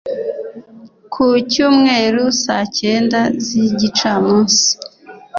ku Cyumweru saa cyenda z’igicamunsi